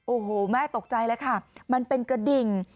โอ้โหแม่ตกใจแล้วค่ะมันเป็นกระดิ่ง